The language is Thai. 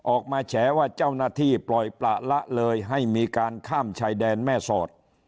แฉว่าเจ้าหน้าที่ปล่อยประละเลยให้มีการข้ามชายแดนแม่สอด